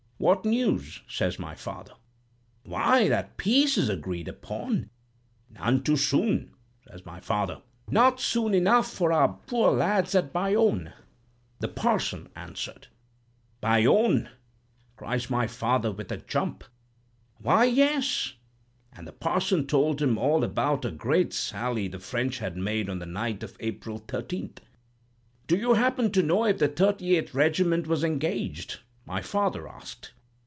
'What news?' says my father. 'Why, that peace is agreed upon.' 'None too soon,' says my father. 'Not soon enough for our poor lads at Bayonne,' the parson answered. 'Bayonne!' cries my father, with a jump. 'Why, yes;' and the parson told him all about a great sally the French had made on the night of April 13th. 'Do you happen to know if the 38th Regiment was engaged?' my father asked.